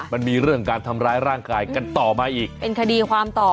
มันมีเรื่องการทำร้ายร่างกายกันต่อมาอีกเป็นคดีความต่อ